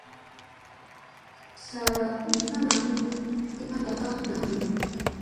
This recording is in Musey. Zlara li ka naa ɗi, dagi ana ndat ka naa ɗi may.